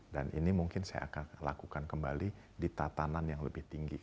ini mungkin saya akan lakukan kembali di tatanan yang lebih tinggi